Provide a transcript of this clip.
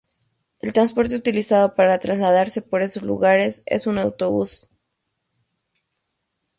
El transporte utilizado para trasladarse por esos lugares es un autobús.